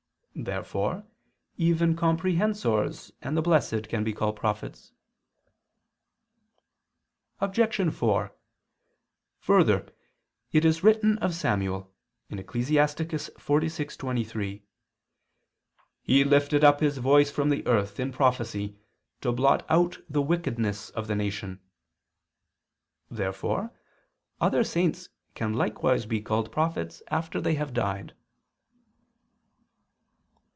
Therefore even comprehensors and the blessed can be called prophets. Obj. 4: Further, it is written of Samuel (Ecclus. 46:23): "He lifted up his voice from the earth in prophecy to blot out the wickedness of the nation." Therefore other saints can likewise be called prophets after they have died.